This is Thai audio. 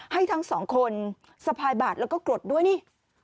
ให้ทั้งสองคนสะพายบาทแล้วก็กรดด้วยนี่